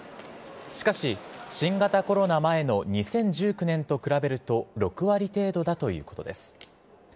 しかし、新型コロナ前の２０１９年と比べると６割程度だということです。